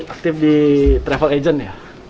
aktif di travel agent ya